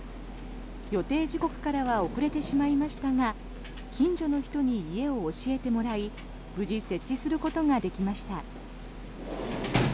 予定時刻からは遅れてしまいましたが近所の人に家を教えてもらい無事設置することができました。